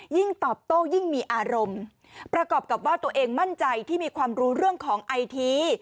ยิ่งตอบโต้ยิ่งมีอารมณ์ประกอบกับว่าตัวเองมั่นใจที่มีความรู้เรื่องของไอที